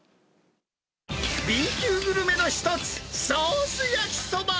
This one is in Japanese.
Ｂ級グルメの一つ、ソース焼きそば。